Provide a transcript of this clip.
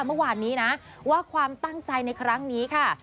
เมื่อวานนี้นะว่าความตั้งใจในครั้งนี้ค่ะ